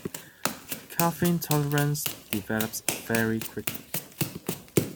Caffeine tolerance develops very quickly.